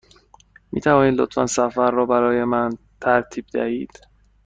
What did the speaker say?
می توانید لطفاً سفر را برای من ترتیب دهید؟